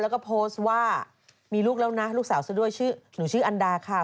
แล้วก็โพสต์ว่ามีลูกแล้วนะลูกสาวซะด้วยชื่อหนูชื่ออันดาค่ะ